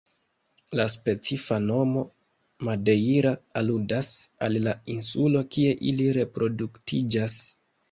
La specifa nomo "madeira" aludas al la insulo kie ili reproduktiĝas.